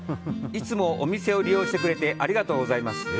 いつもお店を利用してくれてありがとうございます。